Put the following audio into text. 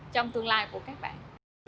trong tương lai của các bạn